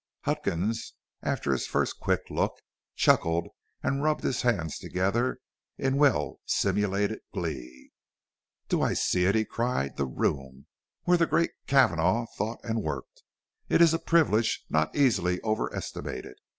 Huckins, after his first quick look, chuckled and rubbed his hands together, in well simulated glee. "Do I see it?" he cried; "the room where the great Cavanagh thought and worked! It is a privilege not easily over estimated."